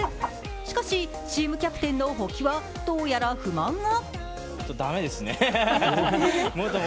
しかしチームキャプテンの保木はどうやら不満が。